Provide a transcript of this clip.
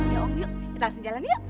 ya yuk kita langsung jalan yuk